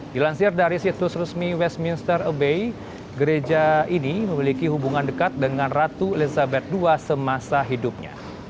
dilansir dari situs resmi westminster abey gereja ini memiliki hubungan dekat dengan ratu elizabeth ii semasa hidupnya